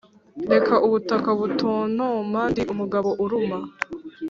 reka ubutaka butontoma ndi umugabo uruma